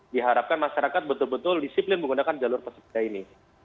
diharapkan masyarakat betul betul disiplin menggunakan jalur pesepeda ini